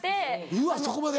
うわそこまで。